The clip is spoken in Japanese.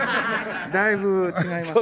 だいぶ違いますね。